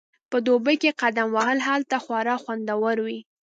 په دوبي کې قدم وهل هلته خورا خوندور وي